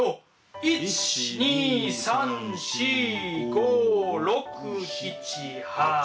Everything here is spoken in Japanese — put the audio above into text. １２３４５６７８。